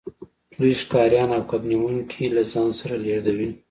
دوی ښکاریان او کب نیونکي له ځان سره لیږدوي